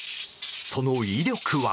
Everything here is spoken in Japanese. その威力は。